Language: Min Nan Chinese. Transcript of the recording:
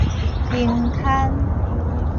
停刊